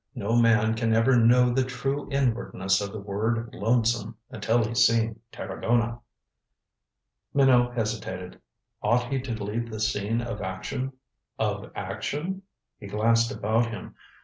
"No man can ever know the true inwardness of the word lonesome until he's seen Tarragona." Minot hesitated. Ought he to leave the scene of action? Of action? He glanced about him.